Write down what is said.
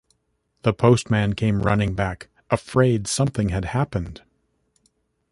The postman came running back, afraid something had happened.